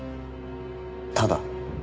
ただ？